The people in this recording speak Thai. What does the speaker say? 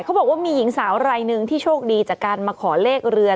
เขาบอกว่ามีหญิงสาวรายหนึ่งที่โชคดีจากการมาขอเลขเรือ